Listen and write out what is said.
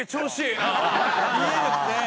いいですね。